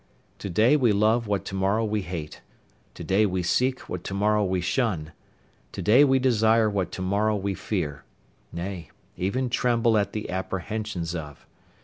To day we love what to morrow we hate; to day we seek what to morrow we shun; to day we desire what to morrow we fear, nay, even tremble at the apprehensions of.